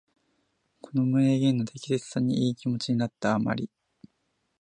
この名言の適切さにいい気持ちになった余り、